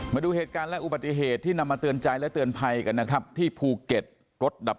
มาดูเหตุการณ์และอุบัติเหตุที่นำมาเตือนไพกันนะครับที่ภูเก็ตรถดับ